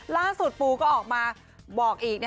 ล่าสุดปูก็ออกมาบอกอีก